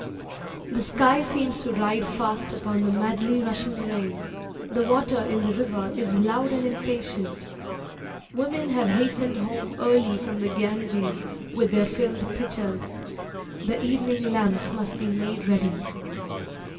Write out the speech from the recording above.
The sky seems to ride fast upon the madly rushing rain; the water in the river is loud and impatient; women have hastened home early from the Ganges with their filled pitchers. The evening lamps must be made ready.